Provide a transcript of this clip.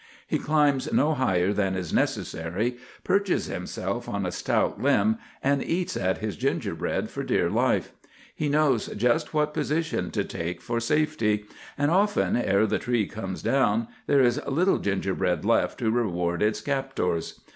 He climbs no higher than is necessary, perches himself on a stout limb, and eats at his gingerbread for dear life. He knows just what position to take for safety; and often, ere the tree comes down, there is little gingerbread left to reward its captors.